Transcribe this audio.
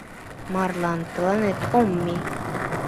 — Марлан тыланет ом мий.